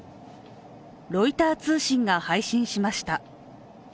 ロイター通信が配信しました。